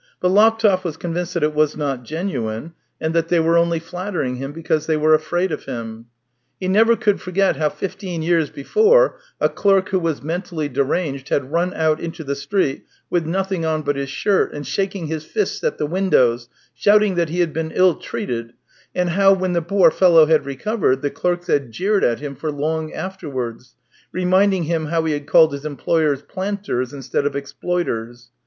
But Laptev wa*^ convinced that it was not genuine, and that they were only flattering him because they were afraid of him. He never could forget how fifteen years before, a clerk who was mentally deranged, had run out into the street with nothing on but his shirt and shaking his fists at the windows, shouted that he had been ill treated; and how, when the poor fellow had recovered, the clerks had jeered at him for long afterwards, reminding him how he had called his employers " planters " instead of "exploiters."